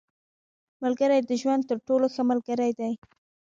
• ملګری د ژوند تر ټولو ښه ملګری دی.